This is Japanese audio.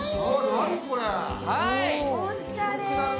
おしゃれ。